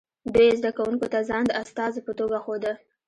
دوی زده کوونکو ته ځان د استازو په توګه ښوده